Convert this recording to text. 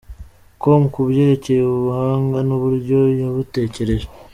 com ku byerekeye ubu buhanga nuburyo yabutekereje.